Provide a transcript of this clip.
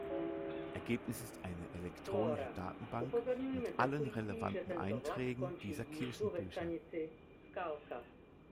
Ergebnis ist eine elektronische Datenbank mit allen relevanten Einträgen dieser Kirchenbücher.